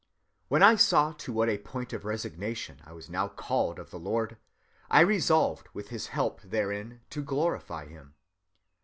"When I saw to what a point of resignation I was now called of the Lord," he says, "I resolved, with his help, therein to glorify him.